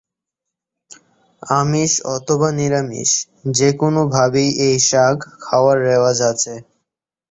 আমিষ অথবা নিরামিষ যেকোনো ভাবেই এই শাক খাওয়ার রেওয়াজ আছে।